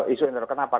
isu internasional kenapa